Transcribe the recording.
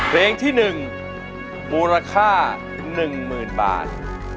เพลงที่๑มูลค่า๑๐๐๐บาท